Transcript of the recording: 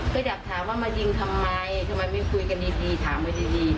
ก็อยากถามว่ามายิงทำไมทำไมไม่คุยกันดีถามกันดี